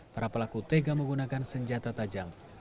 para pelaku tega menggunakan senjata tajam